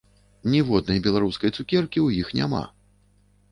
Ніводнай беларускай цукеркі ў іх няма!